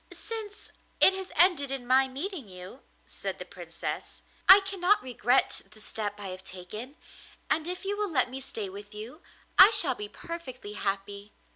'Since it has ended in my meeting you,' said the Princess, 'I cannot regret the step I have taken, and if you will let me stay with you, I shall be perfectly happy.